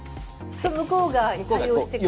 向こうが対応してくれる？